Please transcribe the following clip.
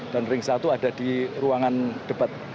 dan ring satu ada di ruangan debat